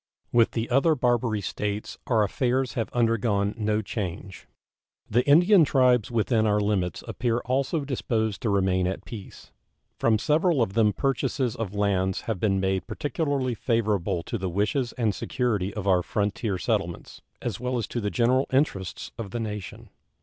With the other Barbary States our affairs have undergone no change. The Indian tribes within our limits appear also disposed to remain at peace. From several of them purchases of lands have been made particularly favorable to the wishes and security of our frontier settlements, as well as to the general interests of the nation.